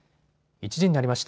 １時になりました。